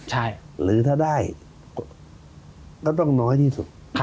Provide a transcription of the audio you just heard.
ใช่หรือถ้าได้ก็ต้องน้อยที่สุด